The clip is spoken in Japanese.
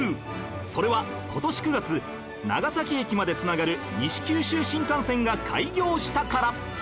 それは今年９月長崎駅まで繋がる西九州新幹線が開業したから